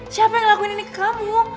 siapa yang ngelakuin ini ke kamu